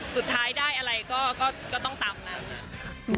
สุดท้ายได้อะไรก็ต้องตำ